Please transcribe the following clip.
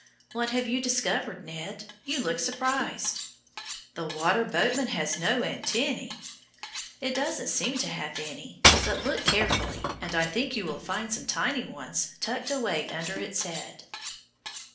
What have you discovered, Ned? You look surprised. The water boatman has no antennæ! It doesn't seem to have any. But look carefully and I think you will find some tiny ones tucked away under its head.